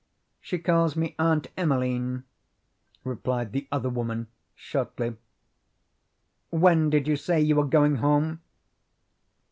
"No, she calls me Aunt Emeline," replied the other woman shortly. "When did you say you were going home?"